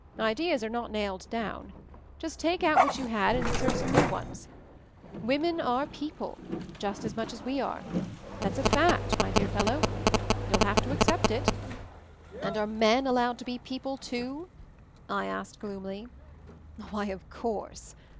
"Ideas are not nailed down. Just take out what you had and insert some new ones. Women are people — just as much as we are ; that's a fact, my dear fellow. You'll have to accept it." "And are men allowed to be people, too?" I asked gloomily. "Why, of course